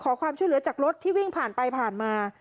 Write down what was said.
ขอความช่วยเหลือจากรถที่วิ่งผ่านไปผ่านมา